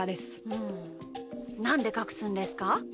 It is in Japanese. うんなんでかくすんですか？